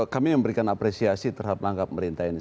kami memberikan apresiasi terhadap langkah pemerintah ini